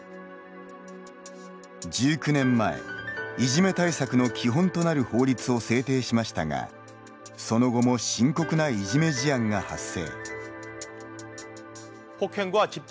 １９年前、いじめ対策の基本となる法律を制定しましたがその後も深刻ないじめ事案が発生。